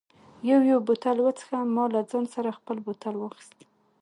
یو یو بوتل و څښه، ما له ځان سره خپل بوتل واخیست.